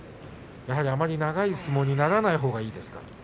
あまり長い相撲にならないほうがいいですか。